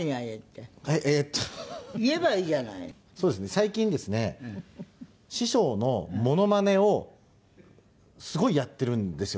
最近ですね師匠のモノマネをすごいやっているんですよ